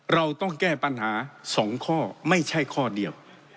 เราต้องแก้ปัญหา๒ข้อไม่ใช่ข้อเดียว